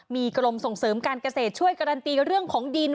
มีกรมส่งเสริมการเกษตรช่วยการันตีเรื่องของดิน